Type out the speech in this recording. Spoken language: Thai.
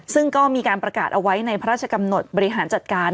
ซึ่งก็มีการประกาศเอาไว้ในพระราชกำหนดบริหารจัดการ